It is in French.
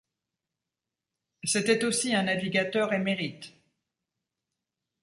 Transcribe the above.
C'était aussi un navigateur émérite.